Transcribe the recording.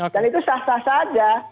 dan itu sah sah saja